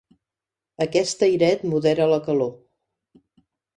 Aquest airet modera la calor.